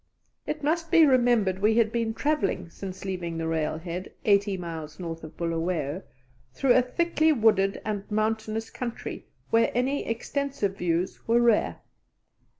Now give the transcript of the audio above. It must be remembered we had been travelling, since leaving the rail head, eighty miles north of Bulawayo, through a thickly wooded and mountainous country where any extensive views were rare.